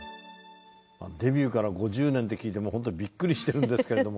デビューから５０年って聞いてホントにビックリしてるんですけれども。